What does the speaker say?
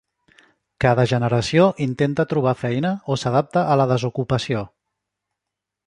Cada generació intenta trobar feina o s'adapta a la desocupació.